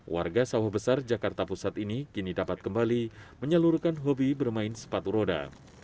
warga sawah besar jakarta pusat ini kini dapat kembali menyalurkan hobi bermain sepatu roda